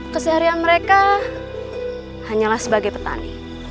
keseharian mereka hanyalah sebagai petani